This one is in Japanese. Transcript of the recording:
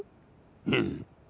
うん。